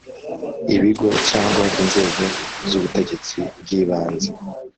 Ibigo Cyangwa Inzego Z Ubutegetsi Bw Ibanze